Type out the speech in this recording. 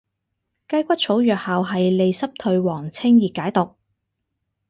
雞骨草藥效係利濕退黃清熱解毒